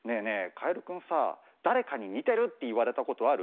カエルくんさ誰かに似てるって言われたことある？